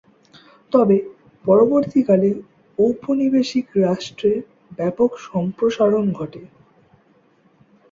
তবে পরবর্তীকালে ঔপনিবেশিক রাষ্ট্রের ব্যাপক সম্প্রসারণ ঘটে।